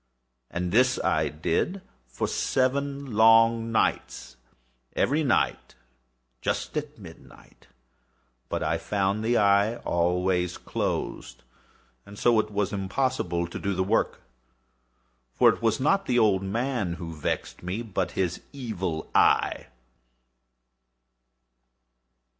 And this I did for seven long nights—every night just at midnight—but I found the eye always closed; and so it was impossible to do the work; for it was not the old man who vexed me, but his Evil Eye.